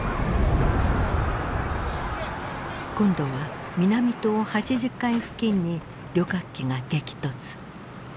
今度は南棟８０階付近に旅客機が激突。